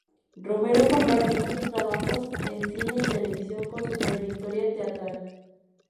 Romero compagina sus trabajos en cine y televisión con su trayectoria teatral.